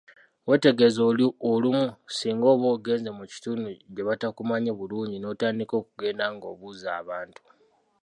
Weetegereze olumu singa oba ogenze mu kitundu gye batakumanyi bulungi n’otandika okugenda ng’obuuza abantu.